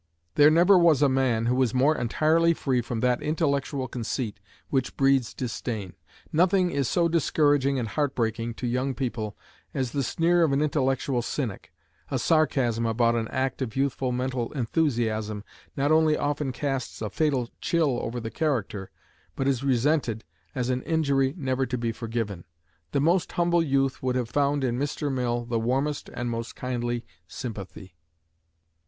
There never was a man who was more entirely free from that intellectual conceit which breeds disdain. Nothing is so discouraging and heart breaking to young people as the sneer of an intellectual cynic. A sarcasm about an act of youthful mental enthusiasm not only often casts a fatal chill over the character, but is resented as an injury never to be forgiven. The most humble youth would have found in Mr. Mill the warmest and most kindly sympathy.